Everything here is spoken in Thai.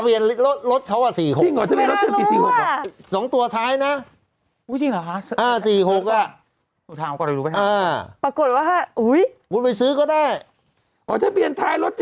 พิเศษเตอร์มั้ยละพิเศษเตอร์ยกเลยหลอท